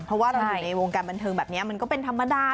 เพราะถือในวงการบันทึงแบบนี้ก็เป็นธรรมดา